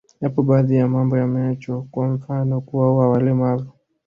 Yapo baadhi ya mambo yameachwa kwa mfano kuwaua walemavu